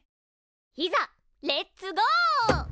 いざレッツゴー！